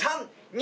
２・